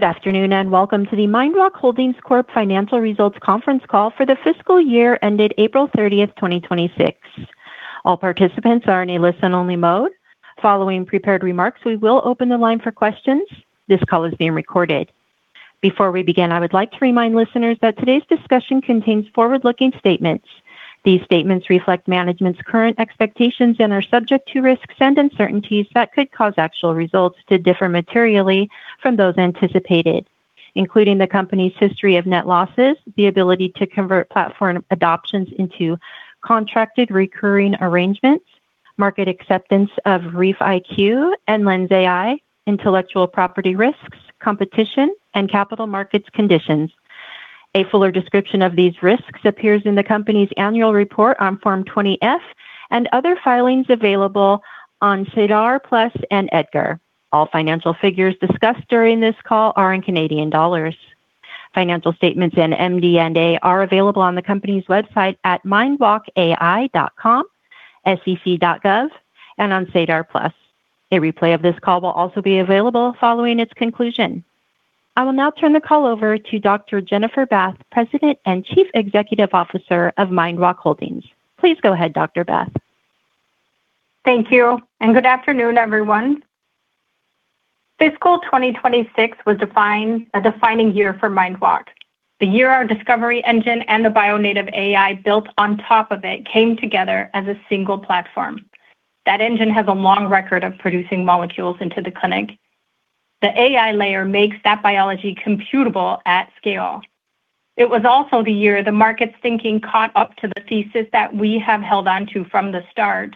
Good afternoon, welcome to the MindWalk Holdings Corp. Financial Results Conference Call for the fiscal year ended April 30th, 2026. All participants are in a listen-only mode. Following prepared remarks, we will open the line for questions. This call is being recorded. Before we begin, I would like to remind listeners that today's discussion contains forward-looking statements. These statements reflect management's current expectations and are subject to risks and uncertainties that could cause actual results to differ materially from those anticipated, including the company's history of net losses, the ability to convert platform adoptions into contracted recurring arrangements, market acceptance of ReefIQ and LensAI, intellectual property risks, competition, and capital markets conditions. A fuller description of these risks appears in the company's annual report on Form 20-F and other filings available on SEDAR+ and EDGAR. All financial figures discussed during this call are in Canadian dollars. Financial statements and MD&A are available on the company's website at mindwalkai.com, sec.gov, and on SEDAR+. A replay of this call will also be available following its conclusion. I will now turn the call over to Dr. Jennifer Bath, President and Chief Executive Officer of MindWalk Holdings. Please go ahead, Dr. Bath. Thank you, good afternoon, everyone. Fiscal 2026 was a defining year for MindWalk, the year our discovery engine and the bio-native AI built on top of it came together as a single platform. That engine has a long record of producing molecules into the clinic. The AI layer makes that biology computable at scale. It was also the year the market's thinking caught up to the thesis that we have held onto from the start,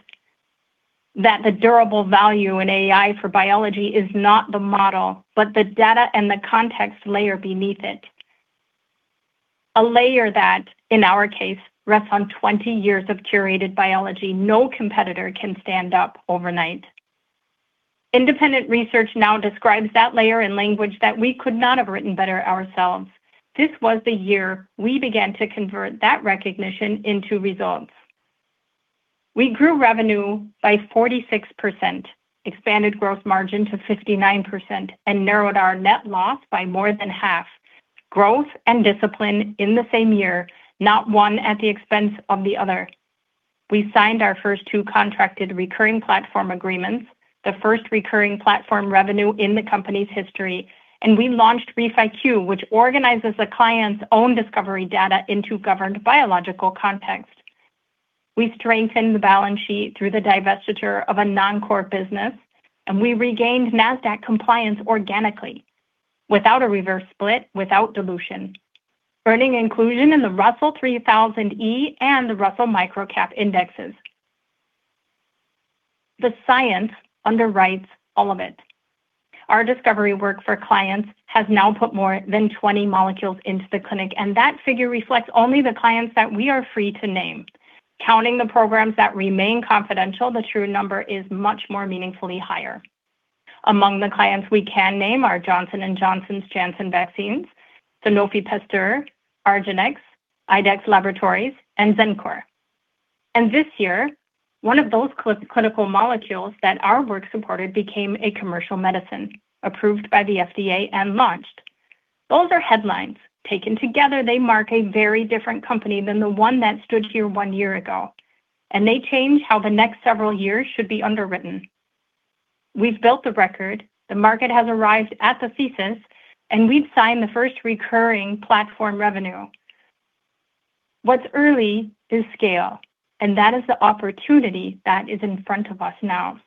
that the durable value in AI for biology is not the model, but the data and the context layer beneath it. A layer that, in our case, rests on 20 years of curated biology no competitor can stand up overnight. Independent research now describes that layer in language that we could not have written better ourselves. This was the year we began to convert that recognition into results. We grew revenue by 46%, expanded gross margin to 59%, narrowed our net loss by more than half. Growth and discipline in the same year, not one at the expense of the other. We signed our first two contracted recurring platform agreements, the first recurring platform revenue in the company's history, we launched ReefIQ, which organizes a client's own discovery data into governed biological context. We strengthened the balance sheet through the divestiture of a non-core business, we regained NASDAQ compliance organically, without a reverse split, without dilution, earning inclusion in the Russell 3000E and the Russell Microcap Indexes. The science underwrites all of it. Our discovery work for clients has now put more than 20 molecules into the clinic, that figure reflects only the clients that we are free to name. Counting the programs that remain confidential, the true number is much more meaningfully higher. Among the clients we can name are Johnson & Johnson's Janssen Vaccines, Sanofi Pasteur, argenx, IDEXX Laboratories, and Cencora. This year, one of those clinical molecules that our work supported became a commercial medicine, approved by the FDA and launched. Those are headlines. Taken together, they mark a very different company than the one that stood here one year ago. They change how the next several years should be underwritten. We've built the record, the market has arrived at the thesis. We've signed the first recurring platform revenue. What's early is scale. That is the opportunity that is in front of us now.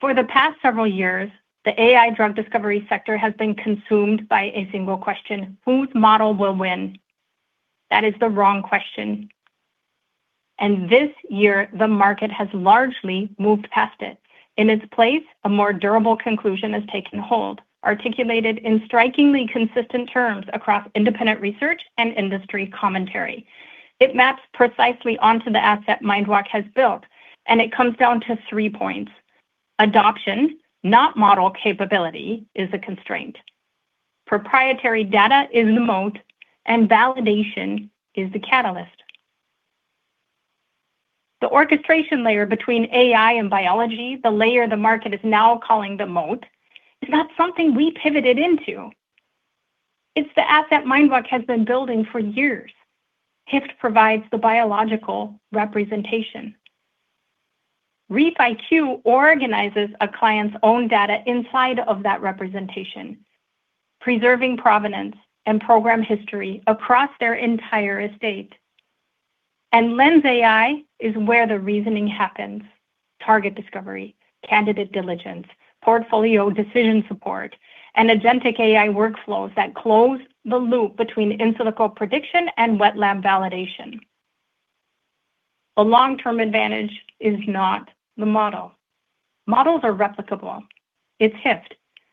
For the past several years, the AI drug discovery sector has been consumed by a single question. "Whose model will win?" That is the wrong question. This year, the market has largely moved past it. In its place, a more durable conclusion has taken hold, articulated in strikingly consistent terms across independent research and industry commentary. It maps precisely onto the asset MindWalk has built. It comes down to three points. Adoption, not model capability, is the constraint. Proprietary data is the moat. Validation is the catalyst. The orchestration layer between AI and biology, the layer the market is now calling the moat, is not something we pivoted into. It's the asset MindWalk has been building for years. HYFT provides the biological representation. ReefIQ organizes a client's own data inside of that representation, preserving provenance and program history across their entire estate. LensAI is where the reasoning happens, target discovery, candidate diligence, portfolio decision support, and agentic AI workflows that close the loop between in silico prediction and wet lab validation. The long-term advantage is not the model. Models are replicable. It's HYFT.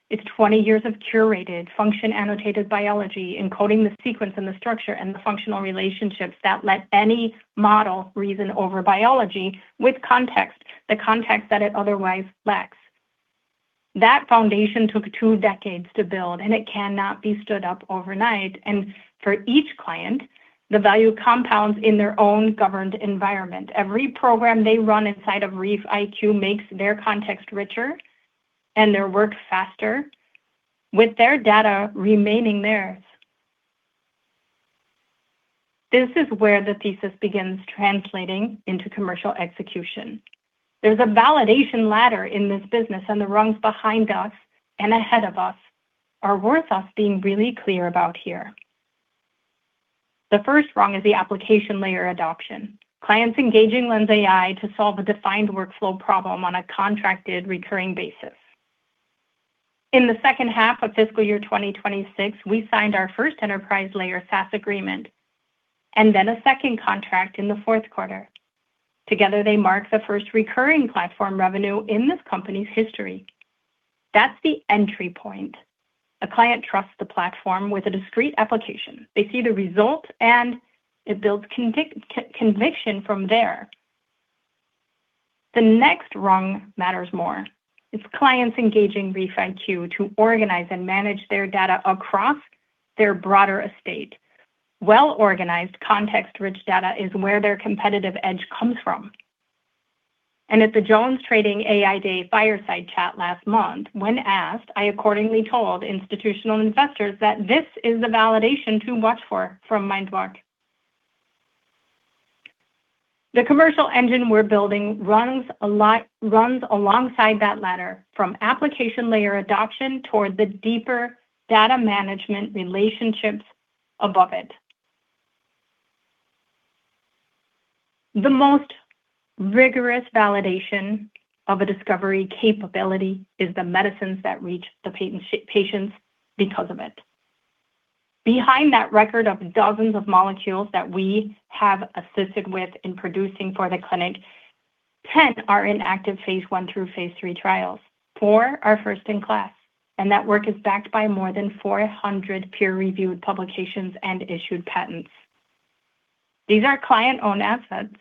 It's 20 years of curated, function-annotated biology, encoding the sequence and the structure and the functional relationships that let any model reason over biology with context, the context that it otherwise lacks. That foundation took two decades to build. It cannot be stood up overnight. For each client, the value compounds in their own governed environment. Every program they run inside of ReefIQ makes their context richer and their work faster, with their data remaining theirs. This is where the thesis begins translating into commercial execution. There's a validation ladder in this business. The rungs behind us and ahead of us are worth us being really clear about here. The first rung is the application layer adoption. Clients engaging LensAI to solve a defined workflow problem on a contracted recurring basis. In the H2 of fiscal year 2026, we signed our first enterprise layer SaaS agreement, and then a second contract in the fourth quarter. Together, they mark the first recurring platform revenue in this company's history. That's the entry point. A client trusts the platform with a discrete application. They see the result. It builds conviction from there. The next rung matters more. It's clients engaging ReefIQ to organize and manage their data across their broader estate. Well-organized, context-rich data is where their competitive edge comes from. At the JonesTrading AI Day fireside chat last month, when asked, I accordingly told institutional investors that this is the validation to watch for from MindWalk. The commercial engine we're building runs alongside that ladder from application layer adoption toward the deeper data management relationships above it. The most rigorous validation of a discovery capability is the medicines that reach the patients because of it. Behind that record of dozens of molecules that we have assisted with in producing for the clinic, 10 are in active phase I through phase III trials. Four are first in class, and that work is backed by more than 400 peer-reviewed publications and issued patents. These are client-owned assets.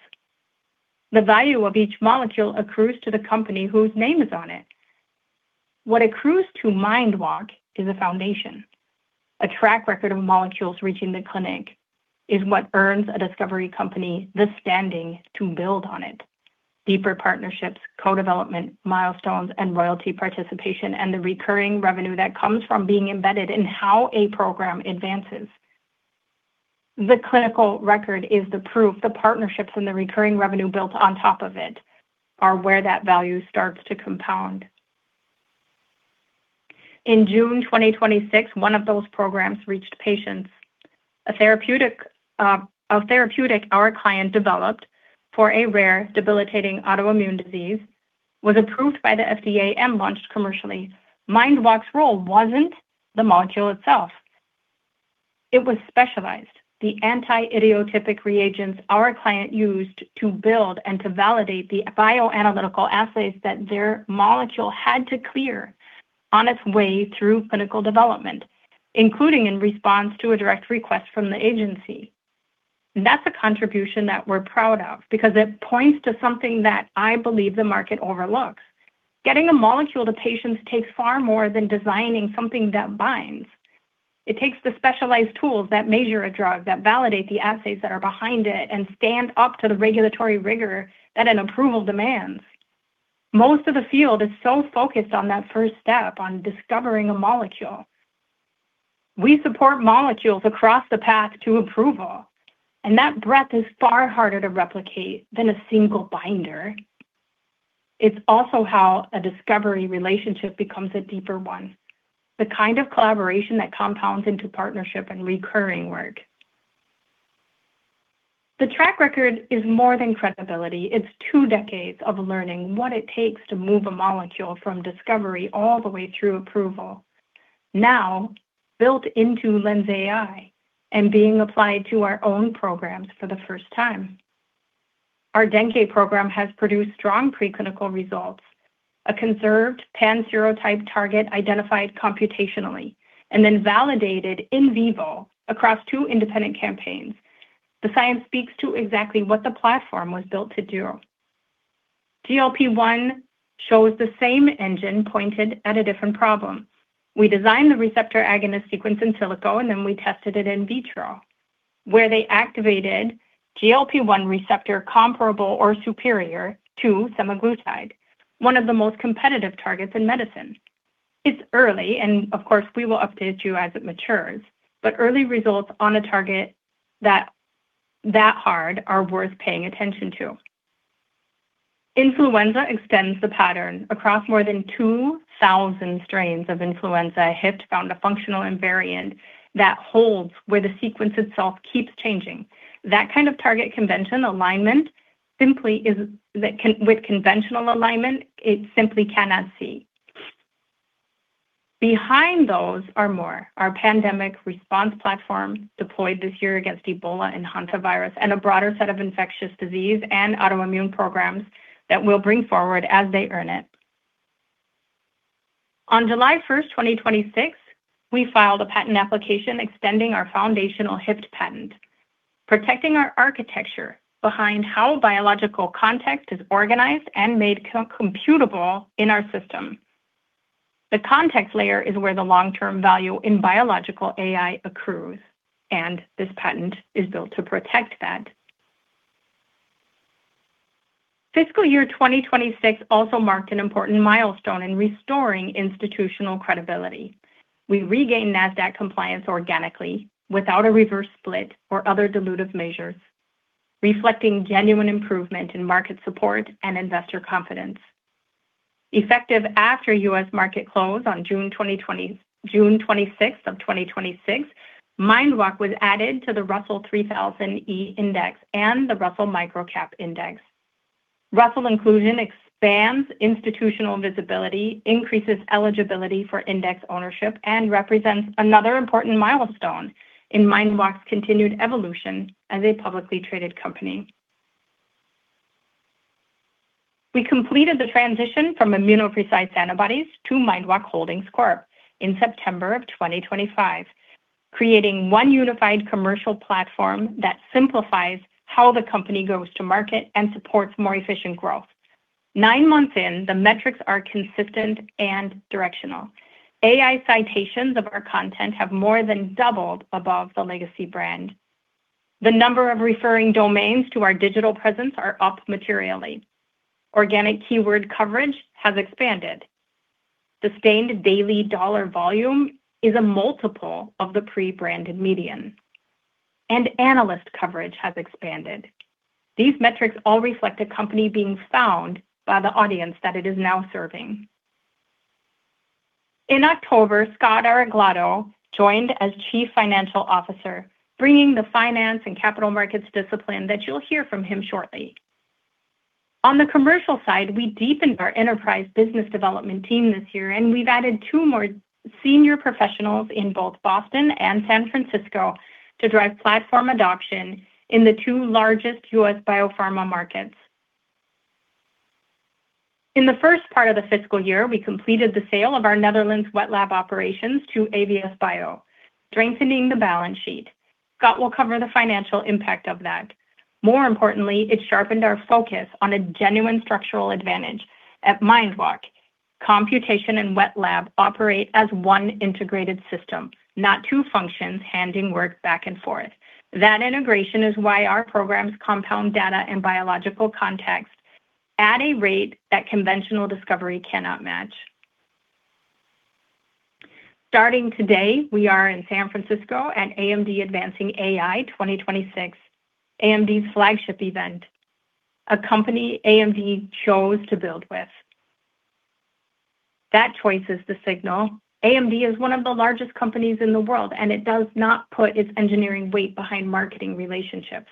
The value of each molecule accrues to the company whose name is on it. What accrues to MindWalk is a foundation. A track record of molecules reaching the clinic is what earns a discovery company the standing to build on it. Deeper partnerships, co-development, milestones, and royalty participation, and the recurring revenue that comes from being embedded in how a program advances. The clinical record is the proof. The partnerships and the recurring revenue built on top of it are where that value starts to compound. In June 2026, one of those programs reached patients. A therapeutic our client developed for a rare, debilitating autoimmune disease was approved by the FDA and launched commercially. MindWalk's role wasn't the molecule itself. It was specialized. The anti-idiotypic reagents our client used to build and to validate the bioanalytical assays that their molecule had to clear on its way through clinical development, including in response to a direct request from the agency. That's a contribution that we're proud of because it points to something that I believe the market overlooks. Getting a molecule to patients takes far more than designing something that binds. It takes the specialized tools that measure a drug, that validate the assays that are behind it, and stand up to the regulatory rigor that an approval demands. Most of the field is so focused on that first step, on discovering a molecule. We support molecules across the path to approval, and that breadth is far harder to replicate than a single binder. It's also how a discovery relationship becomes a deeper one, the kind of collaboration that compounds into partnership and recurring work. The track record is more than credibility. It's two decades of learning what it takes to move a molecule from discovery all the way through approval. Built into LensAI and being applied to our own programs for the first time. Our Dengue program has produced strong preclinical results. A conserved pan-serotype target identified computationally and then validated in vivo across two independent campaigns. The science speaks to exactly what the platform was built to do. GLP-1 shows the same engine pointed at a different problem. We designed the receptor agonist sequence in silico, and then we tested it in vitro, where they activated GLP-1 receptor comparable or superior to semaglutide, one of the most competitive targets in medicine. It's early, and of course, we will update you as it matures, but early results on a target that hard are worth paying attention to. Influenza extends the pattern. Across more than 2,000 strains of influenza, HYFT found a functional invariant that holds where the sequence itself keeps changing. That kind of target convention alignment with conventional alignment, it simply cannot see. Behind those are more. Our pandemic response platform deployed this year against Ebola and Hantavirus and a broader set of infectious disease and autoimmune programs that we'll bring forward as they earn it. On July 1st, 2026, we filed a patent application extending our foundational HYFT patent, protecting our architecture behind how biological context is organized and made computable in our system. The context layer is where the long-term value in biological AI accrues, and this patent is built to protect that. Fiscal year 2026 also marked an important milestone in restoring institutional credibility. We regained NASDAQ compliance organically without a reverse split or other dilutive measures, reflecting genuine improvement in market support and investor confidence. Effective after U.S. market close on June 26th of 2026, MindWalk was added to the Russell 3000E Index and the Russell Microcap Index. Russell inclusion expands institutional visibility, increases eligibility for index ownership, and represents another important milestone in MindWalk's continued evolution as a publicly traded company. We completed the transition from ImmunoPrecise Antibodies to MindWalk Holdings Corp in September of 2025, creating one unified commercial platform that simplifies how the company goes to market and supports more efficient growth. Nine months in, the metrics are consistent and directional. AI citations of our content have more than doubled above the legacy brand. The number of referring domains to our digital presence are up materially. Organic keyword coverage has expanded. Sustained daily dollar volume is a multiple of the pre-branded median. Analyst coverage has expanded. These metrics all reflect a company being found by the audience that it is now serving. In October, Scott Areglado joined as Chief Financial Officer, bringing the finance and capital markets discipline that you'll hear from him shortly. On the commercial side, we deepened our enterprise business development team this year, and we've added two more senior professionals in both Boston and San Francisco to drive platform adoption in the two largest U.S. biopharma markets. In the first part of the fiscal year, we completed the sale of our Netherlands wet lab operations to AVS Bio, strengthening the balance sheet. Scott will cover the financial impact of that. More importantly, it sharpened our focus on a genuine structural advantage. At MindWalk, computation and wet lab operate as one integrated system, not two functions handing work back and forth. That integration is why our programs compound data in biological context at a rate that conventional discovery cannot match. Starting today, we are in San Francisco at AMD Advancing AI 2026, AMD's flagship event, a company AMD chose to build with. That choice is the signal. AMD is one of the largest companies in the world, and it does not put its engineering weight behind marketing relationships.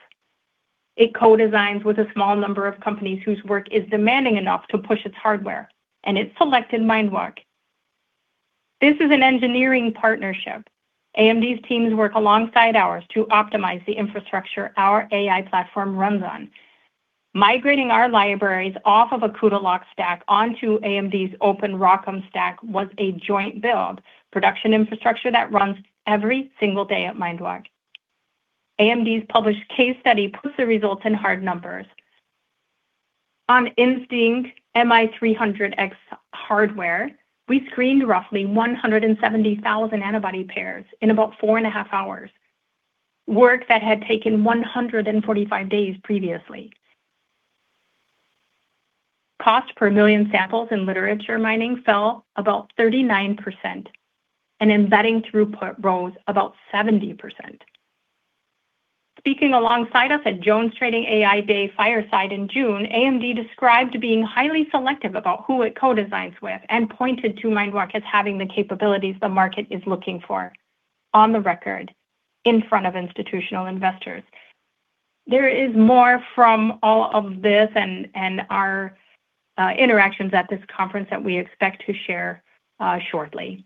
It co-designs with a small number of companies whose work is demanding enough to push its hardware, and it selected MindWalk. This is an engineering partnership. AMD's teams work alongside ours to optimize the infrastructure our AI platform runs on. Migrating our libraries off of a CUDA lock stack onto AMD's open ROCm stack was a joint build. Production infrastructure that runs every single day at MindWalk. AMD's published case study puts the results in hard numbers. On Instinct MI300X hardware, we screened roughly 170,000 antibody pairs in about four and a half hours, work that had taken 145 days previously. Cost per million samples in literature mining fell about 39%, and embedding throughput rose about 70%. Speaking alongside us at JonesTrading AI Day Fireside in June, AMD described being highly selective about who it co-designs with and pointed to MindWalk as having the capabilities the market is looking for on the record in front of institutional investors. There is more from all of this and our interactions at this conference that we expect to share shortly.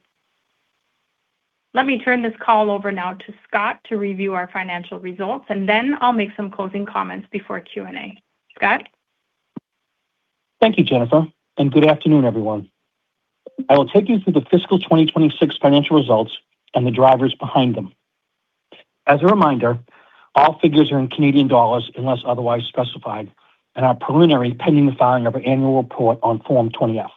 Let me turn this call over now to Scott to review our financial results, and then I'll make some closing comments before Q&A. Scott? Thank you, Jennifer, and good afternoon, everyone. I will take you through the fiscal 2026 financial results and the drivers behind them. As a reminder, all figures are in Canadian dollars unless otherwise specified and are preliminary pending the filing of our annual report on Form 20-F.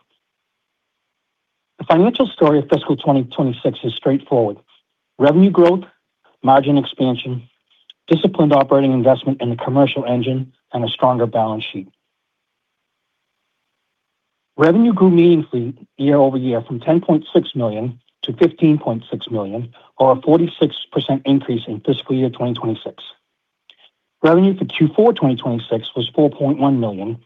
The financial story of fiscal 2026 is straightforward: revenue growth, margin expansion, disciplined operating investment in the commercial engine, and a stronger balance sheet. Revenue grew meaningfully year-over-year from 10.6 million to 15.6 million or a 46% increase in fiscal year 2026. Revenue for Q4 2026 was 4.1 million,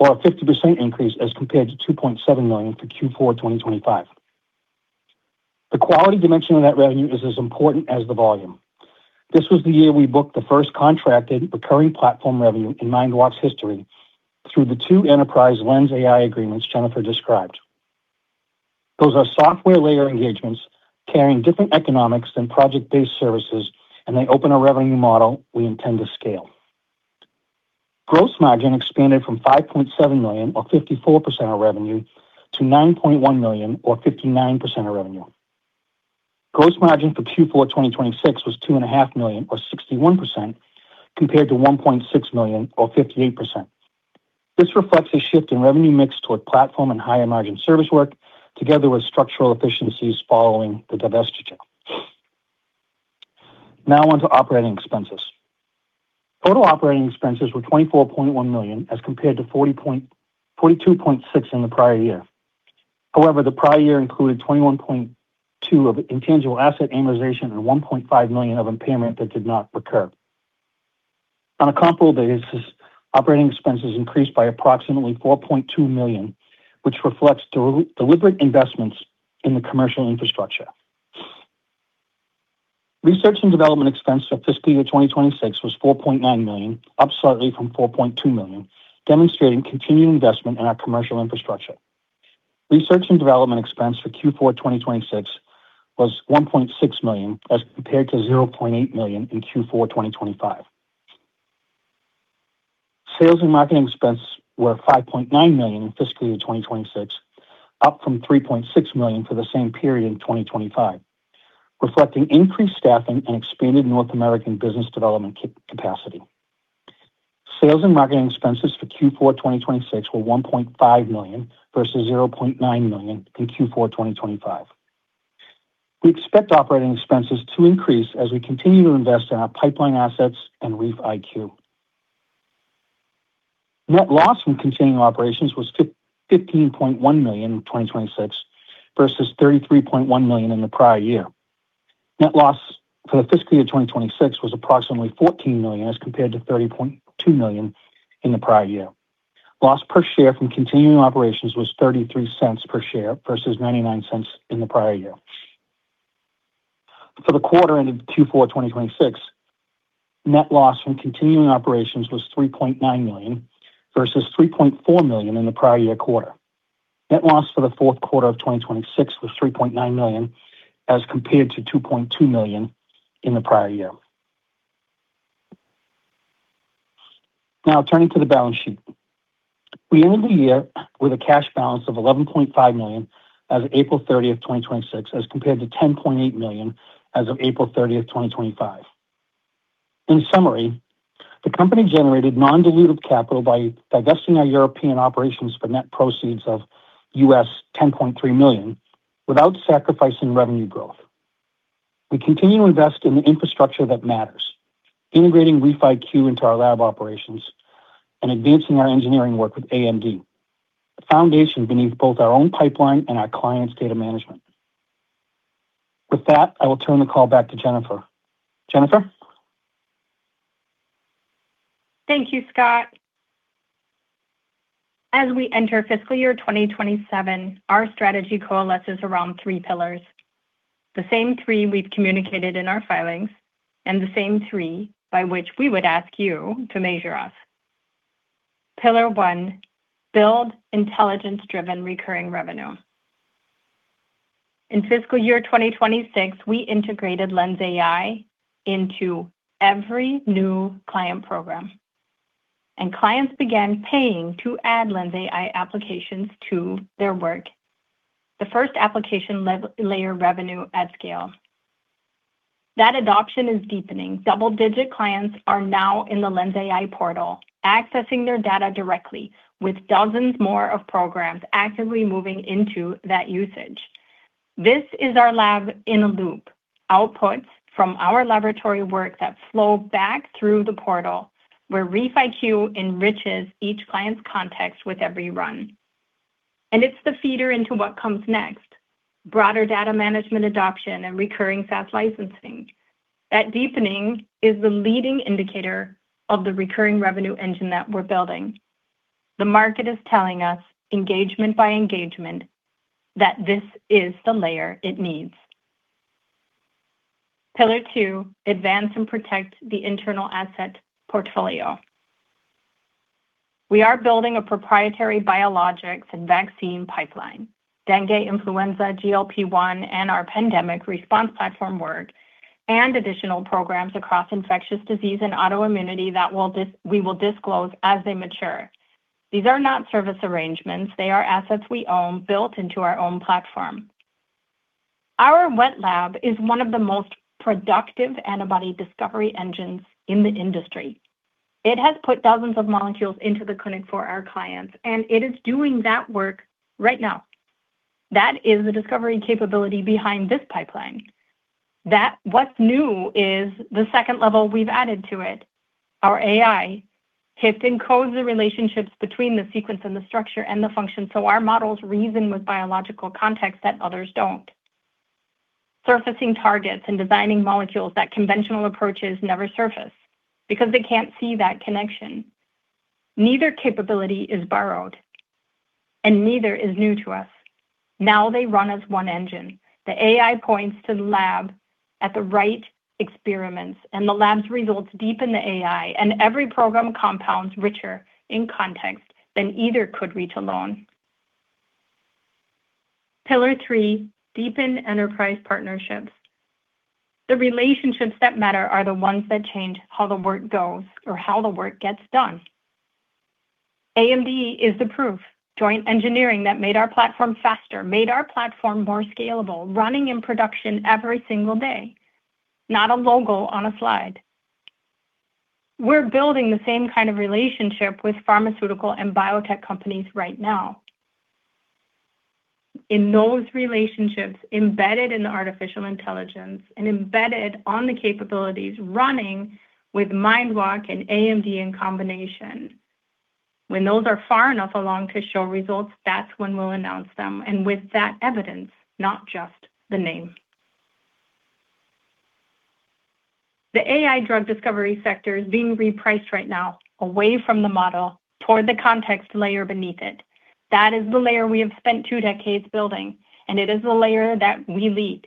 or a 50% increase as compared to 2.7 million for Q4 2025. The quality dimension of that revenue is as important as the volume. This was the year we booked the first contracted recurring platform revenue in MindWalk's history through the two enterprise LensAI agreements Jennifer described. Those are software layer engagements carrying different economics than project-based services. They open a revenue model we intend to scale. Gross margin expanded from 5.7 million or 54% of revenue to 9.1 million or 59% of revenue. Gross margin for Q4 2026 was 2.5 million or 61% compared to 1.6 million or 58%. This reflects a shift in revenue mix toward platform and higher margin service work together with structural efficiencies following the divestiture. Now, on to operating expenses. Total operating expenses were 24.1 million as compared to 42.6 million in the prior year. However, the prior year included 21.2 million of intangible asset amortization and 1.5 million of impairment that did not recur. On a comparable basis, operating expenses increased by approximately 4.2 million, which reflects deliberate investments in the commercial infrastructure. Research and development expense for fiscal year 2026 was 4.9 million, up slightly from 4.2 million, demonstrating continuing investment in our commercial infrastructure. Research and development expense for Q4 2026 was 1.6 million as compared to 0.8 million in Q4 2025. Sales and marketing expense were 5.9 million in fiscal year 2026, up from 3.6 million for the same period in 2025, reflecting increased staffing and expanded North American business development capacity. Sales and marketing expenses for Q4 2026 were 1.5 million versus 0.9 million in Q4 2025. We expect operating expenses to increase as we continue to invest in our pipeline assets and ReefIQ. Net loss from continuing operations was 15.1 million in 2026 versus 33.1 million in the prior year. Net loss for the fiscal year 2026 was approximately 14 million as compared to 30.2 million in the prior year. Loss per share from continuing operations was 0.33 per share versus CAD 0.99 in the prior year. For the quarter ended Q4 2026, net loss from continuing operations was 3.9 million versus 3.4 million in the prior year quarter. Net loss for the fourth quarter of 2026 was 3.9 million as compared to 2.2 million in the prior year. Turning to the balance sheet. We ended the year with a cash balance of 11.5 million as of April 30th, 2026 as compared to 10.8 million as of April 30th, 2025. In summary, the company generated non-dilutive capital by divesting our European operations for net proceeds of $10.3 million without sacrificing revenue growth. We continue to invest in the infrastructure that matters, integrating ReefIQ into our lab operations and advancing our engineering work with AMD, the foundation beneath both our own pipeline and our clients' data management. With that, I will turn the call back to Jennifer. Jennifer? Thank you, Scott. As we enter fiscal year 2027, our strategy coalesces around three pillars, the same three we've communicated in our filings and the same three by which we would ask you to measure us. Pillar 1, build intelligence-driven recurring revenue. In fiscal year 2026, we integrated LensAI into every new client program, and clients began paying to add LensAI applications to their work. The first application layer revenue at scale. That adoption is deepening. Double-digit clients are now in the LensAI portal, accessing their data directly, with dozens more of programs actively moving into that usage. This is our lab in a loop. Outputs from our laboratory work that flow back through the portal where ReefIQ enriches each client's context with every run, and it's the feeder into what comes next, broader data management adoption and recurring SaaS licensing. That deepening is the leading indicator of the recurring revenue engine that we're building. The market is telling us engagement by engagement that this is the layer it needs. Pillar 2, advance and protect the internal asset portfolio. We are building a proprietary biologics and vaccine pipeline, dengue, influenza, GLP-1, and our pandemic response platform work, and additional programs across infectious disease and autoimmunity that we will disclose as they mature. These are not service arrangements. They are assets we own built into our own platform. Our wet lab is one of the most productive antibody discovery engines in the industry. It has put dozens of molecules into the clinic for our clients, and it is doing that work right now. That is the discovery capability behind this pipeline. What's new is the second level we've added to it. Our AI. It encodes the relationships between the sequence and the structure and the function. Our models reason with biological context that others don't. Surfacing targets and designing molecules that conventional approaches never surface because they can't see that connection. Neither capability is borrowed and neither is new to us. Now they run as one engine. The AI points to the lab at the right experiments, and the lab's results deepen the AI and every program compounds richer in context than either could reach alone. Pillar 3, deepen enterprise partnerships. AMD is the proof. Joint engineering that made our platform faster, made our platform more scalable, running in production every single day, not a logo on a slide. We're building the same kind of relationship with pharmaceutical and biotech companies right now. In those relationships, embedded in the artificial intelligence and embedded on the capabilities running with MindWalk and AMD in combination. When those are far enough along to show results, that's when we'll announce them, and with that evidence, not just the name. The AI drug discovery sector is being repriced right now away from the model toward the context layer beneath it. That is the layer we have spent two decades building, and it is the layer that we lead.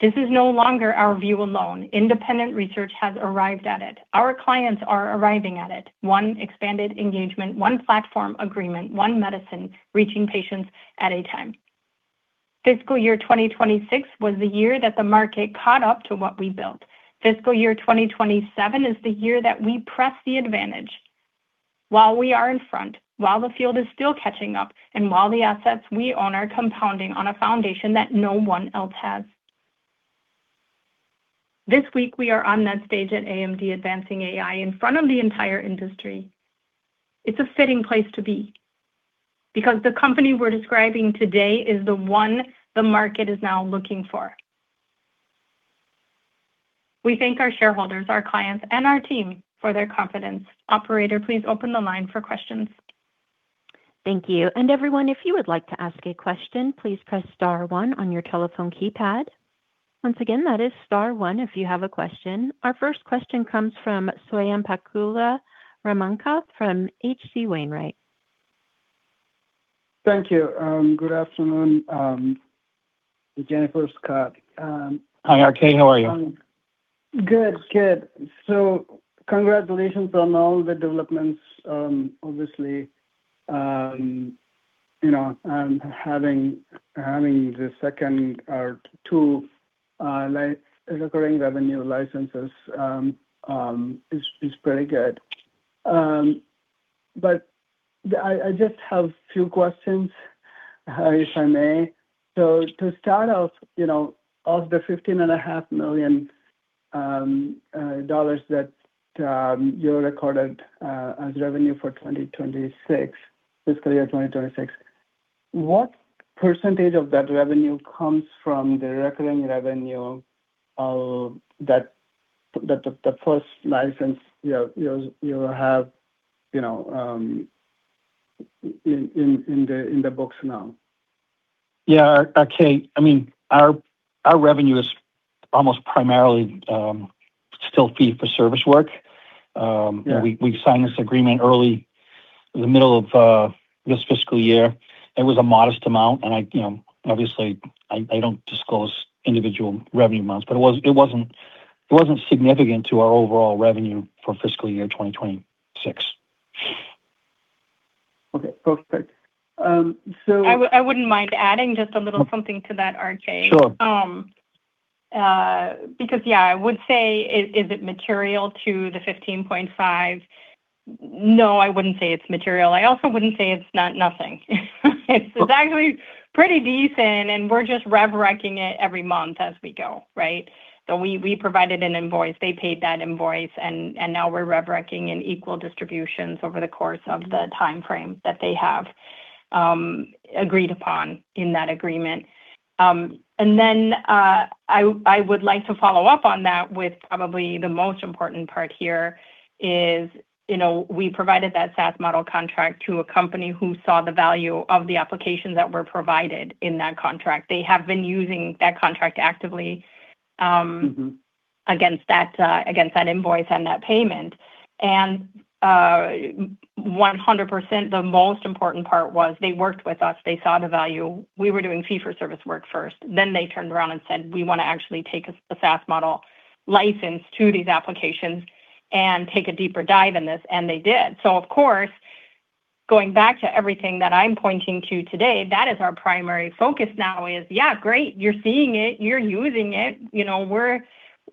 This is no longer our view alone. Independent research has arrived at it. Our clients are arriving at it, one expanded engagement, one platform agreement, one medicine reaching patients at a time. Fiscal year 2026 was the year that the market caught up to what we built. Fiscal year 2027 is the year that we press the advantage while we are in front, while the field is still catching up, and while the assets we own are compounding on a foundation that no one else has. This week, we are on that stage at AMD Advancing AI in front of the entire industry. It's a fitting place to be, because the company we're describing today is the one the market is now looking for. We thank our shareholders, our clients, and our team for their confidence. Operator, please open the line for questions. Thank you. Everyone, if you would like to ask a question, please press star one on your telephone keypad. Once again, that is star one if you have a question. Our first question comes from Swayampakula Ramakanth from H.C. Wainwright. Thank you. Good afternoon, Jennifer, Scott. Hi, RK, how are you? Good. Congratulations on all the developments. Obviously, having the second or two recurring revenue licenses is pretty good. I just have few questions, if I may. To start off, of the 15.5 million dollars that you recorded as revenue for fiscal year 2026, what % of that revenue comes from the recurring revenue of the first license you have in the books now? RK, our revenue is almost primarily still fee for service work. Yeah. We signed this agreement early in the middle of this fiscal year. It was a modest amount, and obviously, I don't disclose individual revenue amounts, but it wasn't significant to our overall revenue for fiscal year 2026. Okay, perfect. I wouldn't mind adding just a little something to that, RK. Sure. Yeah, I would say, is it material to the 15.5? No, I wouldn't say it's material. I also wouldn't say it's nothing. It's actually pretty decent, and we're just rev rec-ing it every month as we go, right? We provided an invoice, they paid that invoice, and now we're rev rec-ing in equal distributions over the course of the timeframe that they have agreed upon in that agreement. I would like to follow up on that with probably the most important part here is we provided that SaaS model contract to a company who saw the value of the applications that were provided in that contract. They have been using that contract actively- Against that invoice and that payment. 100%, the most important part was they worked with us, they saw the value. We were doing fee for service work first. They turned around and said, "We want to actually take a SaaS model license to these applications and take a deeper dive in this," and they did. Of course, going back to everything that I'm pointing to today, that is our primary focus now is, yeah, great, you're seeing it, you're using it.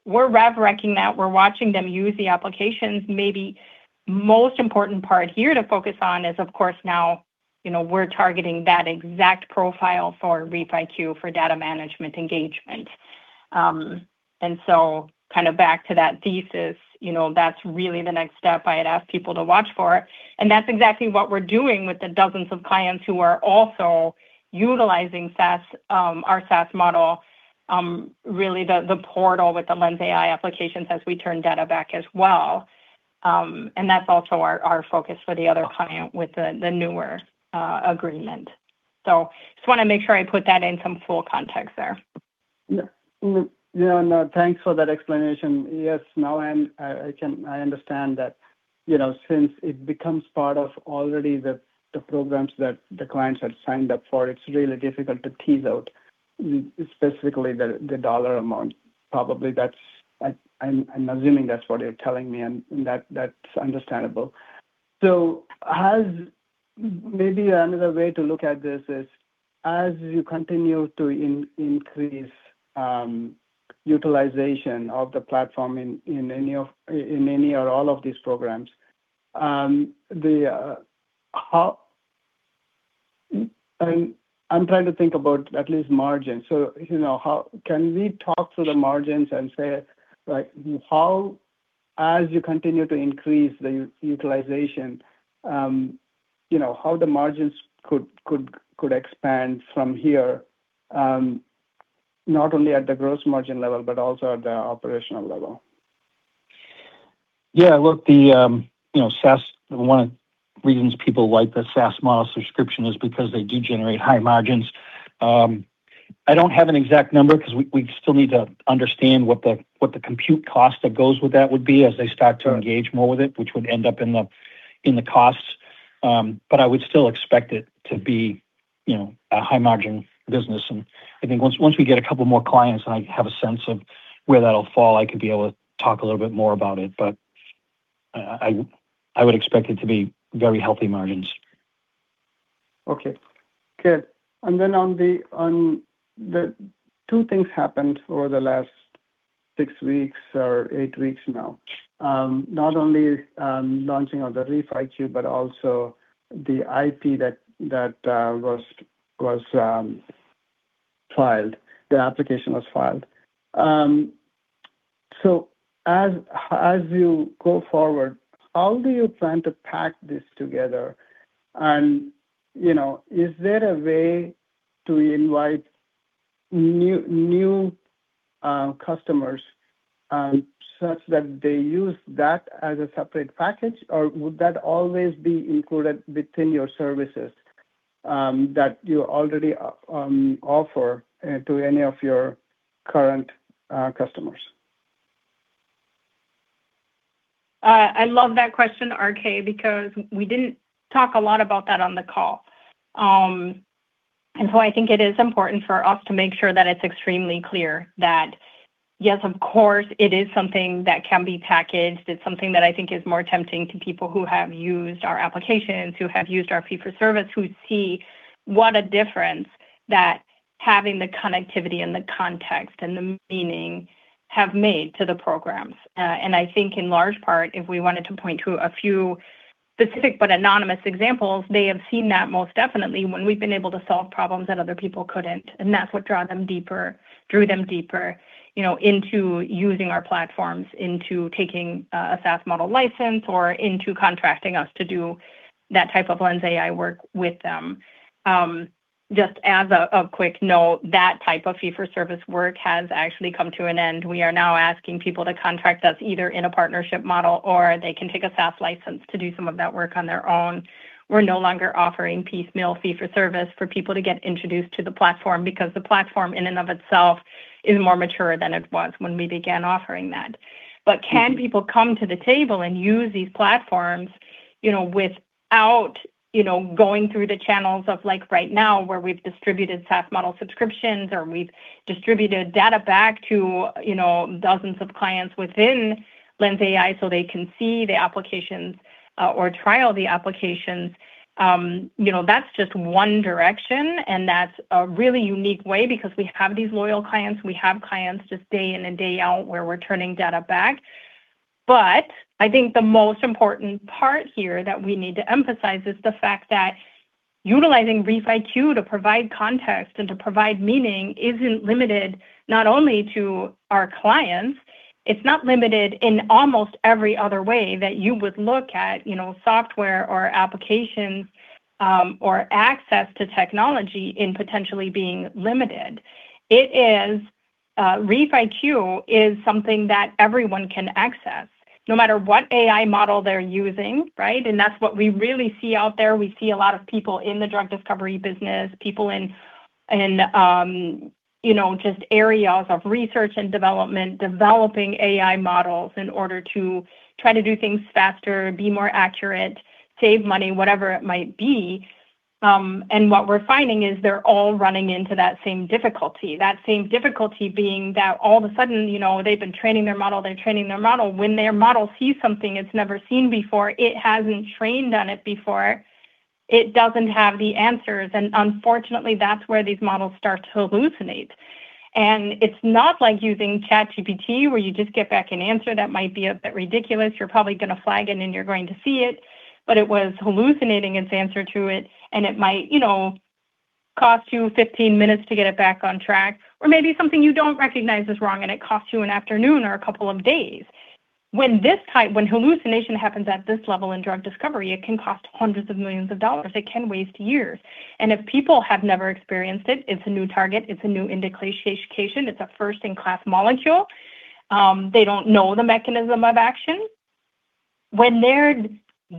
We're rev rec-ing that. We're watching them use the applications. Maybe most important part here to focus on is, of course, now, we're targeting that exact profile for ReefIQ for data management engagement. Back to that thesis, that's really the next step I had asked people to watch for. That's exactly what we're doing with the dozens of clients who are also utilizing our SaaS model, really the portal with the LensAI applications as we turn data back as well. That's also our focus for the other client with the newer agreement. Just want to make sure I put that in some full context there. No, thanks for that explanation. Yes, now I understand that since it becomes part of already the programs that the clients had signed up for, it's really difficult to tease out specifically the CAD amount. Probably, I'm assuming that's what you're telling me, and that's understandable. Maybe another way to look at this is, as you continue to increase utilization of the platform in any or all of these programs, I'm trying to think about at least margin. Can we talk to the margins and say how as you continue to increase the utilization, how the margins could expand from here, not only at the gross margin level, but also at the operational level. Look, one of the reasons people like the SaaS model subscription is because they do generate high margins. I don't have an exact number because we still need to understand what the compute cost that goes with that would be as they start to engage more with it, which would end up in the costs. I would still expect it to be a high-margin business. I think once we get a couple more clients and I have a sense of where that'll fall, I could be able to talk a little bit more about it. I would expect it to be very healthy margins. Okay. Good. Two things happened over the last six weeks or eight weeks now. Not only launching of the ReefIQ, but also the IP that was filed, the application was filed. As you go forward, how do you plan to pack this together? Is there a way to invite new customers such that they use that as a separate package, or would that always be included within your services that you already offer to any of your current customers? I love that question, RK, because we didn't talk a lot about that on the call. I think it is important for us to make sure that it's extremely clear that yes, of course, it is something that can be packaged. It's something that I think is more tempting to people who have used our applications, who have used our fee for service, who see what a difference that having the connectivity and the context and the meaning have made to the programs. I think in large part, if we wanted to point to a few specific but anonymous examples, they have seen that most definitely when we've been able to solve problems that other people couldn't, and that's what drew them deeper into using our platforms, into taking a SaaS model license or into contracting us to do that type of LensAI work with them. Just as a quick note, that type of fee for service work has actually come to an end. We are now asking people to contract us either in a partnership model or they can take a SaaS license to do some of that work on their own. We're no longer offering piecemeal fee for service for people to get introduced to the platform because the platform in and of itself is more mature than it was when we began offering that. Can people come to the table and use these platforms without going through the channels of like right now where we've distributed SaaS model subscriptions or we've distributed data back to dozens of clients within LensAI so they can see the applications or trial the applications? That's just one direction and that's a really unique way because we have these loyal clients. We have clients just day in and day out where we're turning data back. I think the most important part here that we need to emphasize is the fact that utilizing ReefIQ to provide context and to provide meaning isn't limited, not only to our clients. It's not limited in almost every other way that you would look at software or applications, or access to technology in potentially being limited. ReefIQ is something that everyone can access no matter what AI model they're using, right? That's what we really see out there. We see a lot of people in the drug discovery business, people in just areas of research and development, developing AI models in order to try to do things faster, be more accurate, save money, whatever it might be. What we're finding is they're all running into that same difficulty. That same difficulty being that all of a sudden, they've been training their model, they're training their model. When their model sees something it's never seen before, it hasn't trained on it before, it doesn't have the answers. Unfortunately, that's where these models start to hallucinate. It's not like using ChatGPT where you just get back an answer that might be a bit ridiculous. You're probably going to flag it and you're going to see it, but it was hallucinating its answer to it, and it might cost you 15 minutes to get it back on track. Or maybe something you don't recognize is wrong and it costs you an afternoon or a couple of days. When hallucination happens at this level in drug discovery, it can cost hundreds of millions of CAD. It can waste years. If people have never experienced it's a new target, it's a new indication, it's a first in class molecule. They don't know the mechanism of action. When the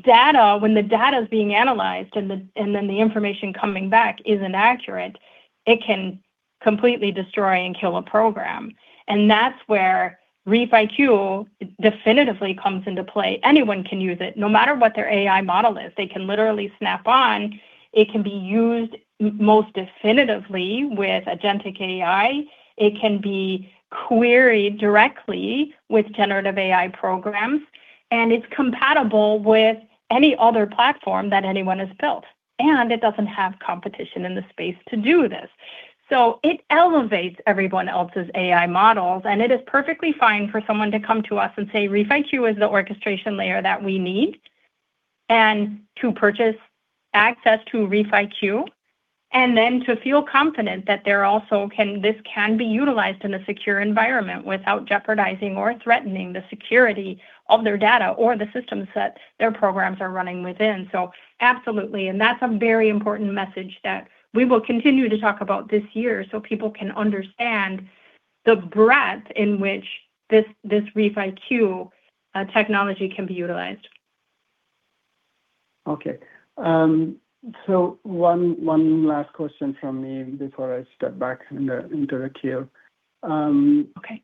data is being analyzed then the information coming back isn't accurate, it can completely destroy and kill a program. That's where ReefIQ definitively comes into play. Anyone can use it, no matter what their AI model is. They can literally snap on. It can be used most definitively with agentic AI. It can be queried directly with generative AI programs, and it's compatible with any other platform that anyone has built, it doesn't have competition in the space to do this. It elevates everyone else's AI models, and it is perfectly fine for someone to come to us and say, "ReefIQ is the orchestration layer that we need." To purchase access to ReefIQ, then to feel confident that this can be utilized in a secure environment without jeopardizing or threatening the security of their data or the systems that their programs are running within. Absolutely. That's a very important message that we will continue to talk about this year so people can understand the breadth in which this ReefIQ technology can be utilized. Okay. One last question from me before I step back and interrupt you. Okay.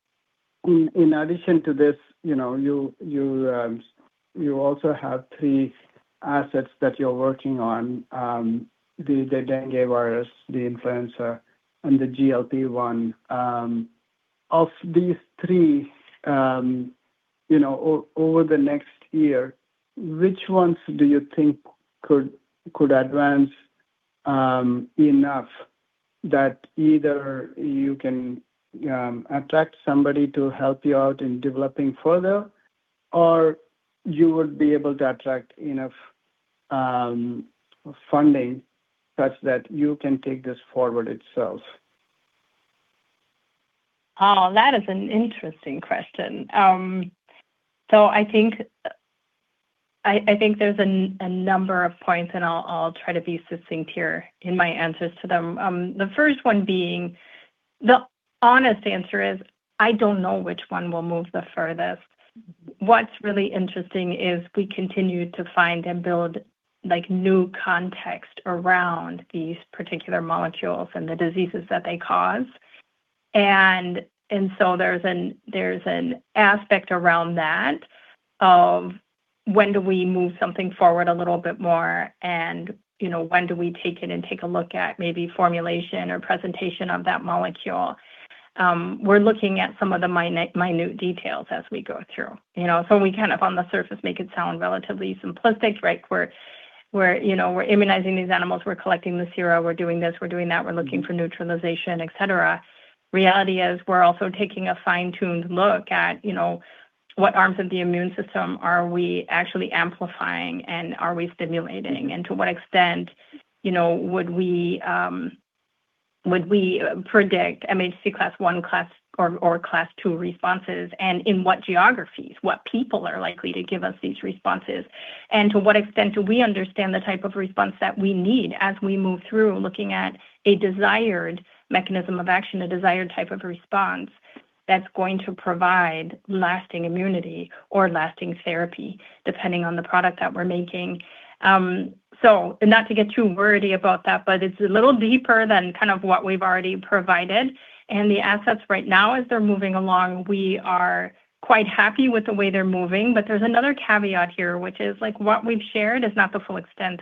In addition to this, you also have three assets that you're working on, the Dengue, the influenza, and the GLP-1. Of these three, over the next year, which ones do you think could advance enough that either you can attract somebody to help you out in developing further, or you would be able to attract enough funding such that you can take this forward itself? That is an interesting question. I think there's a number of points, and I'll try to be succinct here in my answers to them. The first one being, the honest answer is, I don't know which one will move the furthest. What's really interesting is we continue to find and build new context around these particular molecules and the diseases that they cause. There's an aspect around that of, when do we move something forward a little bit more and, when do we take it and take a look at maybe formulation or presentation of that molecule? We're looking at some of the minute details as we go through. We kind of on the surface make it sound relatively simplistic, right? We're immunizing these animals. We're collecting the sera. We're doing this, we're doing that. We're looking for neutralization, et cetera. Reality is we're also taking a fine-tuned look at what arms of the immune system are we actually amplifying and are we stimulating, and to what extent would we predict MHC class I or class II responses, and in what geographies? What people are likely to give us these responses? To what extent do we understand the type of response that we need as we move through looking at a desired mechanism of action, a desired type of response that's going to provide lasting immunity or lasting therapy, depending on the product that we're making. Not to get too wordy about that, but it's a little deeper than what we've already provided, and the assets right now as they're moving along, we are quite happy with the way they're moving. There's another caveat here, which is like what we've shared is not the full extent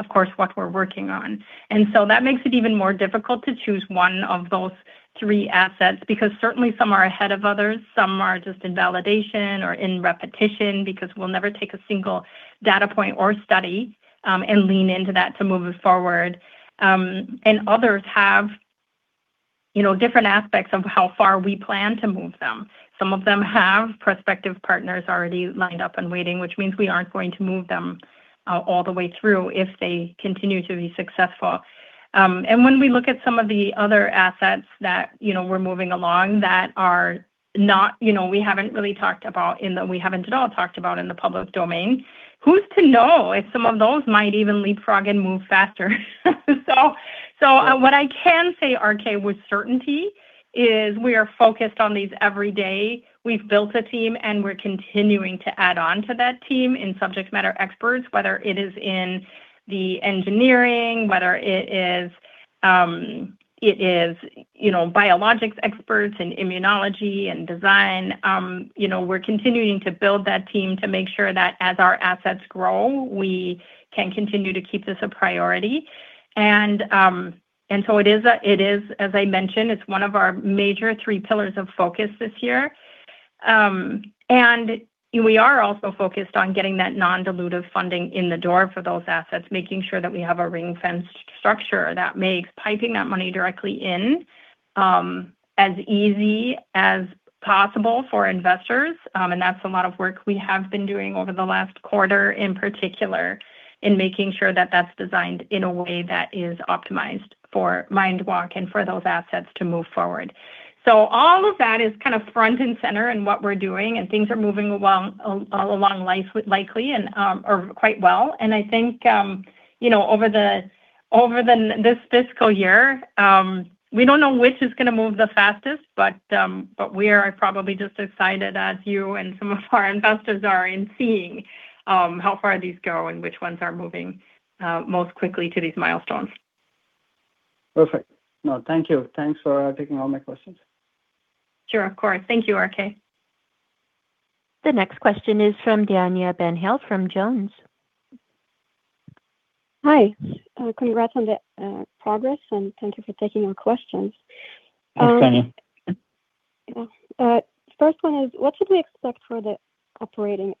of course, what we're working on. That makes it even more difficult to choose one of those three assets, because certainly some are ahead of others, some are just in validation or in repetition, because we'll never take a single data point or study and lean into that to move it forward. Others have different aspects of how far we plan to move them. Some of them have prospective partners already lined up and waiting, which means we aren't going to move them all the way through if they continue to be successful. When we look at some of the other assets that we're moving along that we haven't at all talked about in the public domain, who's to know if some of those might even leapfrog and move faster? What I can say, RK, with certainty is we are focused on these every day. We've built a team, and we're continuing to add on to that team in subject matter experts, whether it is in the engineering, whether it is biologics experts in immunology and design. We're continuing to build that team to make sure that as our assets grow, we can continue to keep this a priority. As I mentioned, it's one of our major three pillars of focus this year. We are also focused on getting that non-dilutive funding in the door for those assets, making sure that we have a ring-fenced structure that makes piping that money directly in as easy as possible for investors. That's a lot of work we have been doing over the last quarter, in particular, in making sure that that's designed in a way that is optimized for MindWalk and for those assets to move forward. All of that is kind of front and center in what we're doing, and things are moving along likely and quite well. I think over this fiscal year, we don't know which is going to move the fastest, but we are probably just as excited as you and some of our investors are in seeing how far these go and which ones are moving most quickly to these milestones. Perfect. No, thank you. Thanks for taking all my questions. Sure, of course. Thank you, RK. The next question is from Danya Ben-Hail from JonesTrading. Hi. Congrats on the progress, thank you for taking our questions. Hi, Danya. First one is, what should we expect for the operating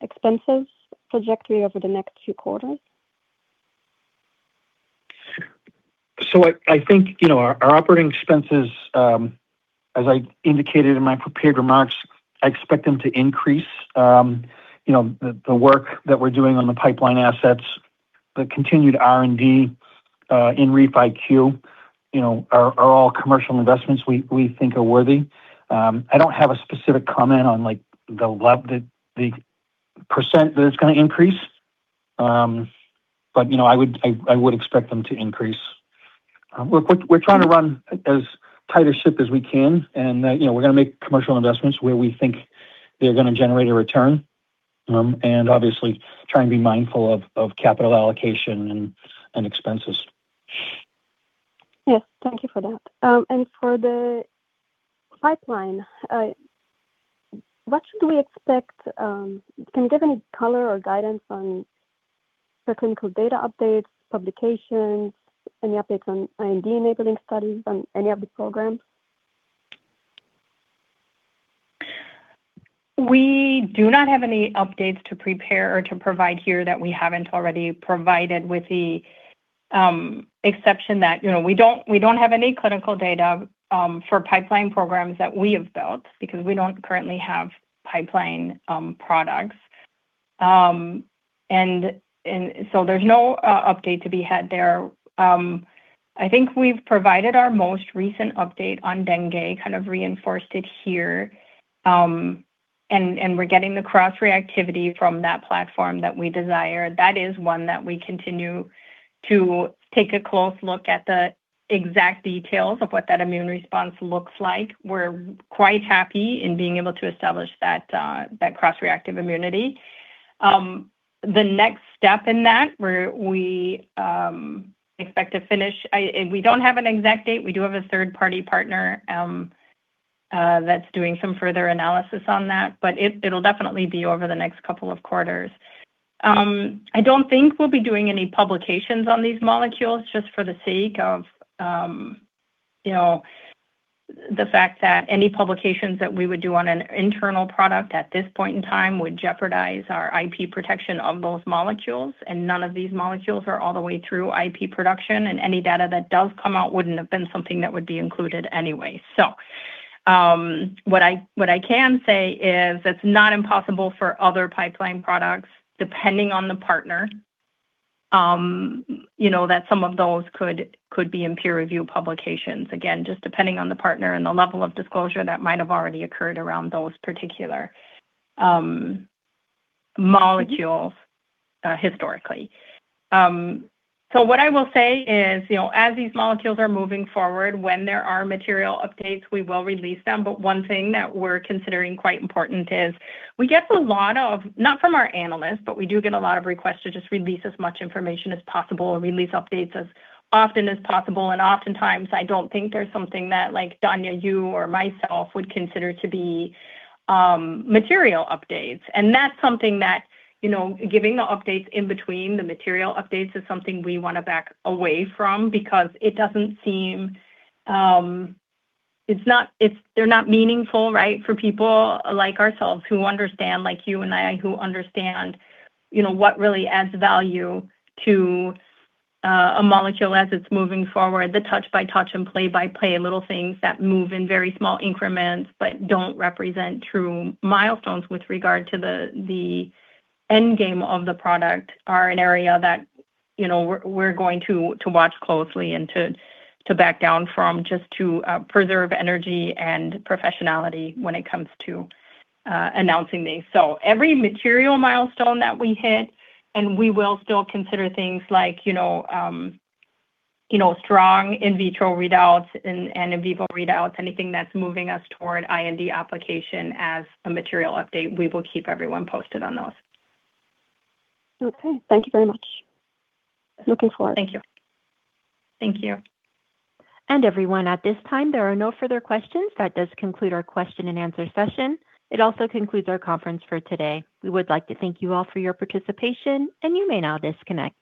expenses trajectory over the next two quarters? I think our operating expenses, as I indicated in my prepared remarks, I expect them to increase. The work that we're doing on the pipeline assets, the continued R&D in ReefIQ, are all commercial investments we think are worthy. I don't have a specific comment on the % that it's going to increase. I would expect them to increase. We're trying to run as tight a ship as we can, and we're going to make commercial investments where we think they're going to generate a return, and obviously try and be mindful of capital allocation and expenses. Yes. Thank you for that. For the pipeline, what should we expect? Can you give any color or guidance on the clinical data updates, publications, any updates on IND-enabling studies on any of the programs? We do not have any updates to prepare or to provide here that we haven't already provided, with the exception that we don't have any clinical data for pipeline programs that we have built because we don't currently have pipeline products. There's no update to be had there. I think we've provided our most recent update on Dengue, kind of reinforced it here. We're getting the cross-reactivity from that platform that we desire. That is one that we continue to take a close look at the exact details of what that immune response looks like. We're quite happy in being able to establish that cross-reactive immunity. The next step in that, where we expect to finish, we don't have an exact date. We do have a third-party partner that's doing some further analysis on that, but it'll definitely be over the next couple of quarters. I don't think we'll be doing any publications on these molecules just for the sake of the fact that any publications that we would do on an internal product at this point in time would jeopardize our IP protection of those molecules, none of these molecules are all the way through IP production, any data that does come out wouldn't have been something that would be included anyway. What I can say is it's not impossible for other pipeline products, depending on the partner, that some of those could be in peer-review publications. Again, just depending on the partner and the level of disclosure that might have already occurred around those particular molecules historically. What I will say is, as these molecules are moving forward, when there are material updates, we will release them. One thing that we're considering quite important is we get a lot of, not from our analysts, but we do get a lot of requests to just release as much information as possible or release updates as often as possible. Oftentimes, I don't think there's something that, Danya, you or myself would consider to be material updates. That's something that giving the updates in between the material updates is something we want to back away from because they're not meaningful, right, for people like ourselves who understand, like you and I, who understand what really adds value to a molecule as it's moving forward. The touch-by-touch and play-by-play, little things that move in very small increments but don't represent true milestones with regard to the end game of the product are an area that we're going to watch closely and to back down from just to preserve energy and professionality when it comes to announcing these. Every material milestone that we hit, and we will still consider things like strong in vitro readouts and in vivo readouts, anything that's moving us toward IND application as a material update, we will keep everyone posted on those. Okay. Thank you very much. Looking forward. Thank you. Thank you. Everyone, at this time, there are no further questions. That does conclude our question and answer session. It also concludes our conference for today. We would like to thank you all for your participation, and you may now disconnect.